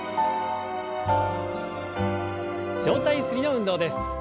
上体ゆすりの運動です。